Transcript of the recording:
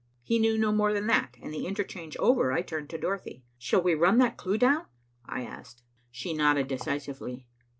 He knew no more than that, and the interchange over, I turned to Dorothy. "Shall we run that clue down?" I asked. She nodded decisively.